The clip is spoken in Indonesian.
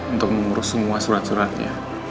untuk mengurus semua surat suratnya